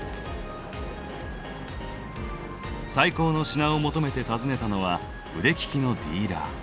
最高の品を求めて訪ねたのは腕利きのディーラー。